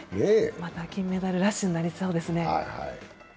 また金メダルラッシュになりそうですね。